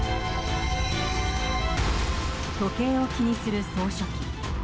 時計を気にする総書記。